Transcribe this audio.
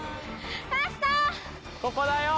ここだよ！